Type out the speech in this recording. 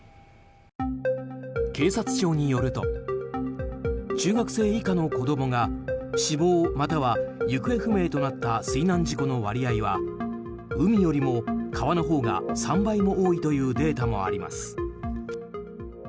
警察庁によると中学生以下の子供が、死亡または行方不明となった水難事故の割合は海よりも川のほうが３倍も多いというデータもあります。